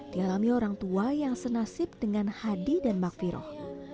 di alami orang tua yang senasib dengan hadi dan mbak firoh